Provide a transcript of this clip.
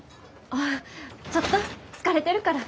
あっちょっと疲れてるから。